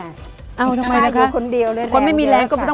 เพราะอยู่คนเดียวเลยแรงเยอะค่ะ